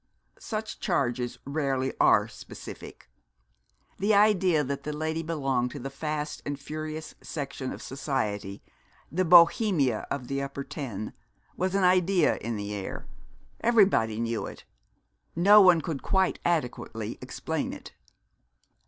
Such charges rarely are specific. The idea that the lady belonged to the fast and furious section of society, the Bohemia of the upper ten, was an idea in the air. Everybody knew it. No one could quite adequately explain it.